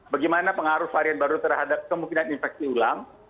bagaimana pengaruh varian baru terhadap kemungkinan infeksi ulang